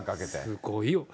すごいよ。